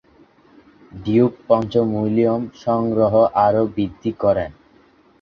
Duke পঞ্চম William সংগ্রহ আরো বৃদ্ধি করেন।